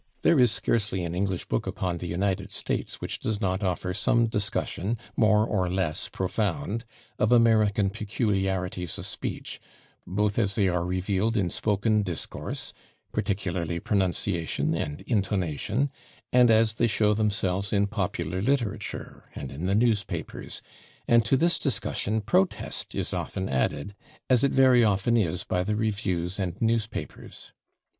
[Pg016] There is scarcely an English book upon the United States which does not offer some discussion, more or less profound, of American peculiarities of speech, both as they are revealed in spoken discourse (particularly pronunciation and intonation) and as they show themselves in popular literature and in the newspapers, and to this discussion protest is often added, as it very often is by the reviews and newspapers.